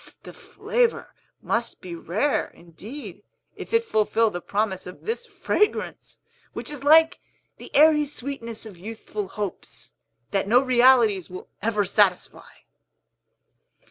The flavor must be rare, indeed, if it fulfill the promise of this fragrance, which is like the airy sweetness of youthful hopes, that no realities will ever satisfy!"